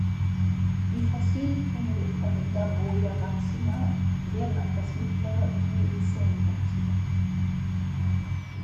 Die Fossilfunde von "Daboia maxima" werden auf das mittlere Pliozän datiert.